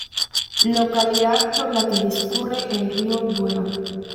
Localidad por la que discurre el río Duero.